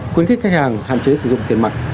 khuyến khích khách hàng hạn chế sử dụng tiền mặt